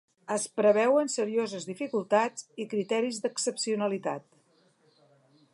Es preveuen serioses dificultats’ i ‘criteris d’excepcionalitat’